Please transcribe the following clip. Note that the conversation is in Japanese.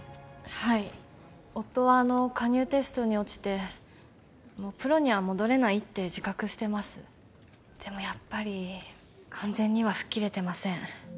はい夫はあの加入テストに落ちてもうプロには戻れないって自覚してますでもやっぱり完全には吹っ切れてません